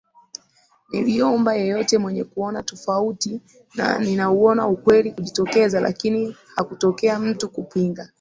Niliomba yeyote mwenye kuona tofauti na ninauona ukweli kujitokeza lakini hakutokea mtu kupinga